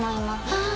ああ